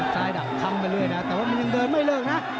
ซ้ายดักทั้งไปเรื่อยแต่มันยังเดินไม่เลิก